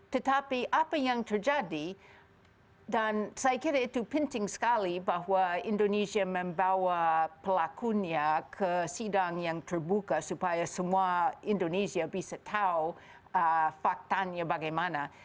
tetapi apa yang terjadi dan saya kira itu penting sekali bahwa indonesia membawa pelakunya ke sidang yang terbuka supaya semua indonesia bisa tahu faktanya bagaimana